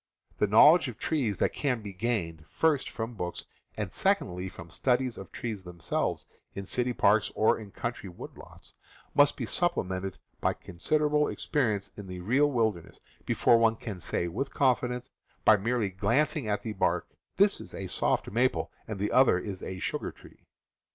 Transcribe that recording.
The knowledge of trees that can be gained, first from books and secondly from studies of trees them selves in city parks or in country wood lots, must be supplemented by considerable experience in the real wilderness before one can say with confidence, by merely glancing at the bark, "that is a soft maple, and the other is a sugar tree."